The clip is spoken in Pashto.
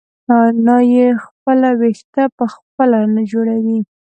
نایي خپل وېښته په خپله نه جوړوي.